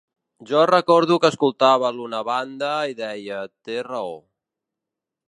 Jo recordo que escoltava l’una banda i deia: té raó.